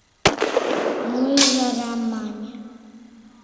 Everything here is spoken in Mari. — Ну, Ӱжара, — мане.